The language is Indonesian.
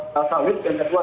salah salwit dan salwar